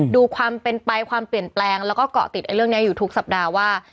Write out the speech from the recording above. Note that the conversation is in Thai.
ดูความเป็นไปความเปลี่ยนแปลงแล้วก็เกาะติดเรื่องนี้อยู่ทุกสัปดาห์ว่า